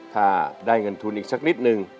ถ้าได้เงินทุนอีกสักนิดนึง